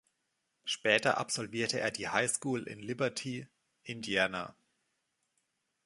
Später absolvierte er die High School in Liberty, Indiana.